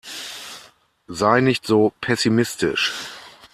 Sei nicht so pessimistisch.